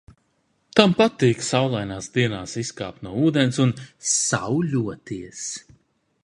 "Tam patīk saulainās dienās izkāpt no ūdens un "sauļoties"."